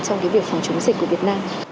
trong cái việc phòng chống dịch của việt nam